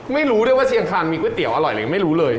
ไม่รู้ด้วยว่าเชียงคานมีก๋วยเตี๋ยวอร่อยอะไรยังไม่รู้เลย